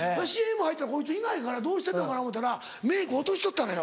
ＣＭ入ったらこいついないからどうしてんのかな思うたらメーク落としとったのよ